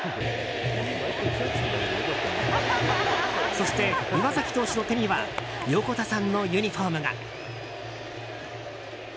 そして、岩崎投手の手には横田さんのユニホームが。